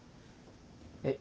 えっ